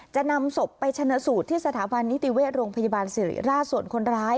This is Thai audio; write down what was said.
จะนำศพไปชนะสูตรที่สถาบันนิติเวชโรงพยาบาลสิริราชส่วนคนร้าย